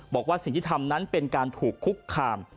บอกว่าสิ่งที่ทำนั้นเป็นการถูกคุกคาม